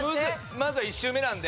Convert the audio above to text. まだ１周目なんで。